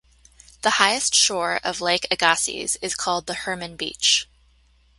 The highest shore of Lake Agassiz is called the Herman Beach.